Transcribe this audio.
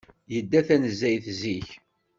Yedda tanezzayt zik.